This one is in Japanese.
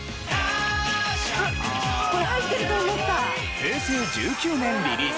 平成１９年リリース